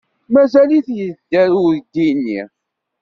Mazal-it yedder uydi-nni.